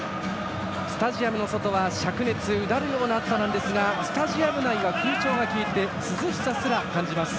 スタジアムの外はしゃく熱うだるような暑さですがスタジアム内は空調がきいて涼しさすら感じます。